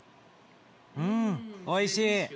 うんおいしい！